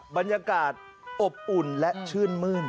บรรยากาศอบอุ่นและชื่นมื้น